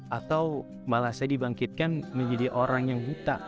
atau malah saya dibangkitkan menjadi orang yang buta